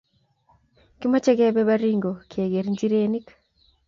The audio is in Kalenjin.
Kimache kepe Baringo ke ker njireniik